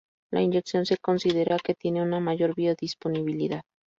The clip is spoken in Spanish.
La inyección se considera que tiene una mayor biodisponibilidad.